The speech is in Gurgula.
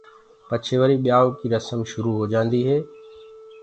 پڇي وري ٻيآئوٚ ڪيٚ رسم شُرو هوجآندي هي۔